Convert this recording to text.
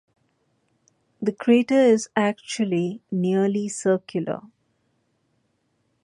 The crater is actually nearly circular.